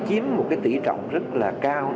chiếm một tỷ trọng rất là cao